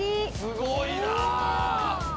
すごいな！